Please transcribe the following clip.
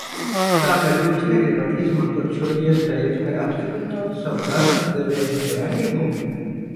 Tātad jūs negribat izmantot šo iespēju, lai apstiprinātu sava darba devēja nevainīgumu?